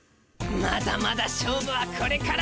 まだまだ勝負はこれから。